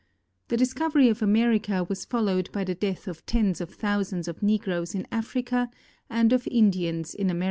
The discovery of America was followed by the death of tens of thou sands of negroes in Africa and of Indians in America.